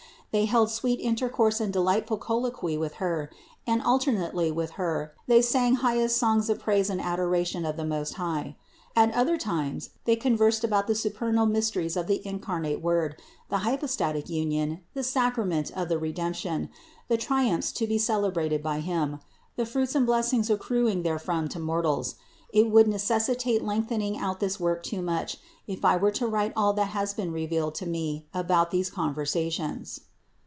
They held sweet inter course and delightful colloquy with Her, and alternately with Her they sang highest songs of praise and adora tion of the Most High. At other times they conversed about the supernal mysteries of the incarnate Word, the hypostatic union, the sacrament of the Redemption, the triumphs to be celebrated by Him, the fruits and blessings acruing therefrom to mortals. It would necessitate lengthening out this work too much, if I were to write all that has been revealed to me about these conversa tions.